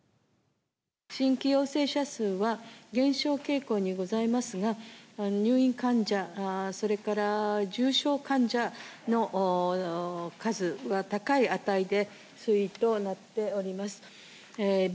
新規陽性者数は減少傾向にございますが、入院患者、それから重症患者の数は高い値で推移となっております。